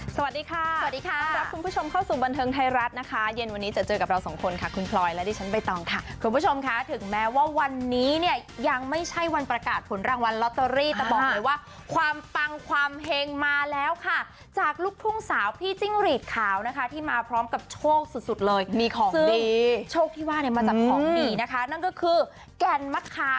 สวัสดีค่ะสวัสดีค่ะต้อนรับคุณผู้ชมเข้าสู่บันเทิงไทยรัฐนะคะเย็นวันนี้จะเจอกับเราสองคนค่ะคุณพลอยและดิฉันใบตองค่ะคุณผู้ชมค่ะถึงแม้ว่าวันนี้เนี่ยยังไม่ใช่วันประกาศผลรางวัลลอตเตอรี่แต่บอกเลยว่าความปังความเฮงมาแล้วค่ะจากลูกทุ่งสาวพี่จิ้งหรีดขาวนะคะที่มาพร้อมกับโชคสุดสุดเลยมีของดีโชคที่ว่าเนี่ยมาจากของดีนะคะนั่นก็คือแก่นมะคา